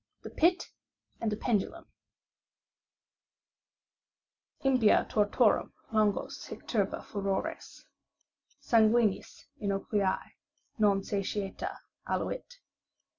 THE PIT AND THE PENDULUM Impia tortorum longos hic turba furores Sanguinis innocui, non satiata, aluit.